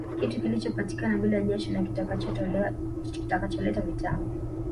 Kitu kilichopatikana bila jasho na kitakacholeta vitamu